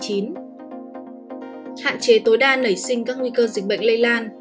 hạn chế tối đa nảy sinh các nguy cơ dịch bệnh lây lan